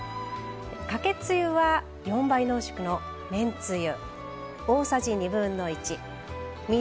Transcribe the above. かけつゆは４倍濃縮のめんつゆ。